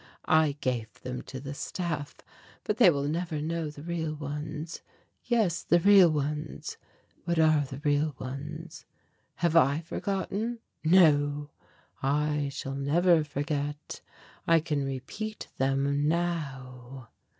I gave them to the Staff, but they will never know the real ones Yes, the real ones What are the real ones? Have I forgotten ? No, I shall never forget. I can repeat them now."